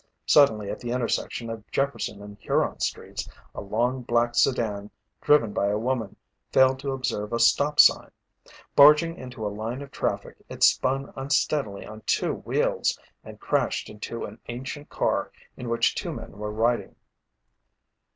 Suddenly at the intersection of Jefferson and Huron Streets, a long black sedan driven by a woman, failed to observe a stop sign. Barging into a line of traffic, it spun unsteadily on two wheels and crashed into an ancient car in which two men were riding.